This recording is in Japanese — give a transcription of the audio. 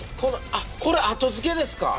あっこれ後付けですか？